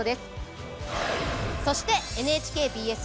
そしてＮＨＫＢＳ